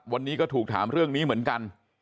วันนี้ก็ถูกถามเรื่องนี้เหมือนกัน